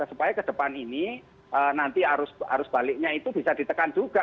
supaya ke depan ini nanti arus baliknya itu bisa ditekan juga